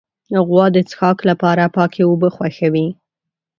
غوا د څښاک لپاره پاکې اوبه خوښوي.